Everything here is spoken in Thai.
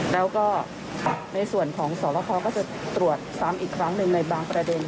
แล้วก็ในส่วนของสวบคก็จะตรวจซ้ำอีกครั้งหนึ่งในบางประเด็น